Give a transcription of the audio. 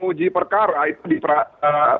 uji perkara itu diperhatikan